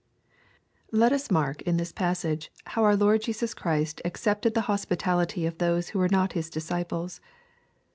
Let us mark in this psLSSSige, how our Lord Jesus Christ accepted the hospitality of those who were not His disci ples.